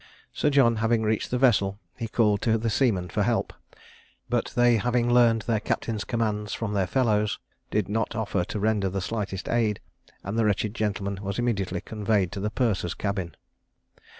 Sir John having reached the vessel, he called to the seamen for help, but they having learned their captain's commands from their fellows, did not offer to render the slightest aid, and the wretched gentleman was immediately conveyed to the purser's cabin.